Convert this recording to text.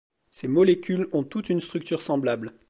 Ces molécules ont toutes une structure semblable.